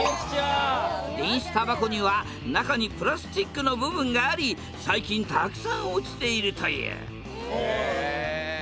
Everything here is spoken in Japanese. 電子たばこには中にプラスチックの部分があり最近たくさん落ちているというえ。